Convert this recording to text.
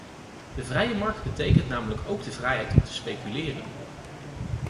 De vrije markt betekent namelijk ook de vrijheid om te speculeren.